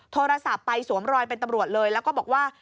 โทรศัพท์ไปสวมรอยเป็นตำรวจเลยแล้วก็บอกว่า